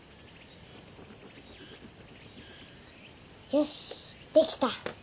よしできた。